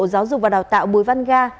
giáo dục và đào tạo bùi văn ga